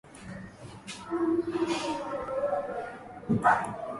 Fukara walifukuzwa shereheni